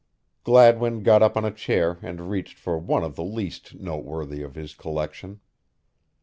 Gladwin got up on a chair and reached for one of the least noteworthy of his collection.